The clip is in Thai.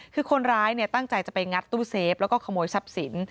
คือคนร้ายตั้งใจจะไปงัดตู้เซฟแล้วก็ขโมยทรัพย์สิน